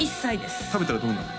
食べたらどうなるの？